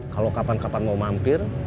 kalau kapan kapan mau mampir